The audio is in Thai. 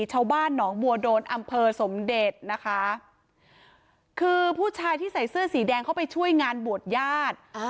ชาวบ้านหนองบัวโดนอำเภอสมเด็จนะคะคือผู้ชายที่ใส่เสื้อสีแดงเข้าไปช่วยงานบวชญาติ